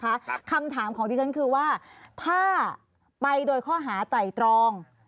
คำถามของดิฉันคือว่าถ้าไปโดยข้อหาไตรตรอง